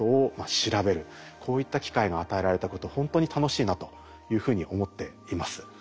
こういった機会が与えられたことほんとに楽しいなというふうに思っています。